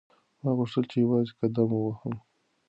ما غوښتل چې یوازې قدم ووهم.